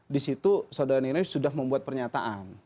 di situ saudara ini sudah membuat pernyataan